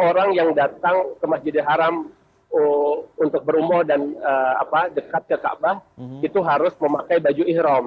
orang yang datang ke masjidil haram untuk berumur dan dekat ke kaabah itu harus memakai baju ikhram